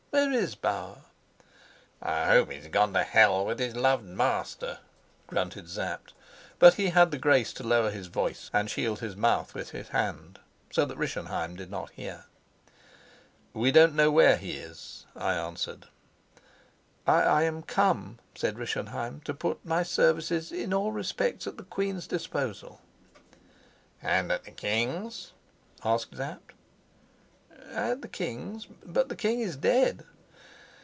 Where is Bauer?" "I hope he's gone to hell with his loved master," grunted Sapt, but he had the grace to lower his voice and shield his mouth with his hand, so that Rischenheim did not hear. "We don't know where he is," I answered. "I am come," said Rischenheim, "to put my services in all respects at the queen's disposal." "And at the king's?" asked Sapt. "At the king's? But the king is dead."